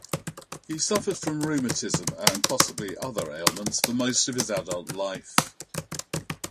He suffered from rheumatism, and possibly other ailments, for most of his adult life.